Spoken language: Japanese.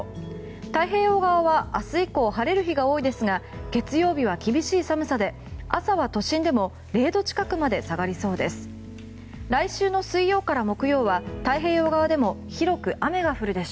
太平洋側は明日以降晴れる日が多いですが月曜日は厳しい寒さで朝は都心でも０度近くまで下がりそうです。